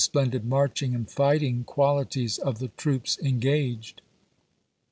Splendid luarclimg aud fighting qualities of the troops engaged.